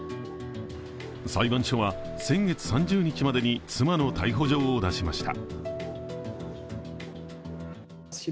裁判所は、先月３０日までに妻の逮捕状を出しました。